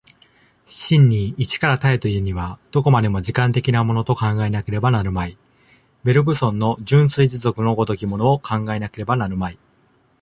真に一から多へというには、どこまでも時間的なものと考えなければなるまい、ベルグソンの純粋持続の如きものを考えなければなるまい。